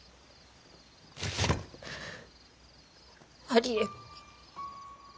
ありえん。